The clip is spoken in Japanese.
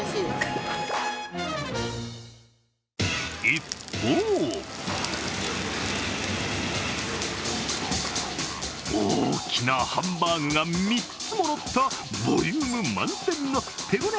一方大きなハンバーグが３つものったボリューム満点の手ごね